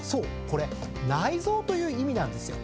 これ内臓という意味なんですよ。